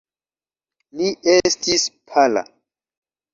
Li estis pala.